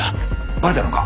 バレたのか？